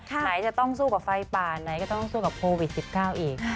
ไหนจะต้องสู้กับไฟป่าไหนก็ต้องสู้กับโควิด๑๙อีก